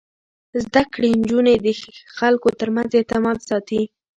زده کړې نجونې د خلکو ترمنځ اعتماد ساتي.